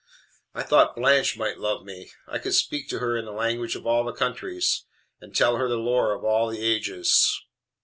"I thought Blanche might love me. I could speak to her in the language of all countries, and tell her the lore of all ages.